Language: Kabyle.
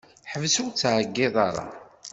Ḥbes ur ttɛeyyiḍ ara.